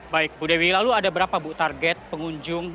baik bu dewi lalu ada berapa bu target pengunjung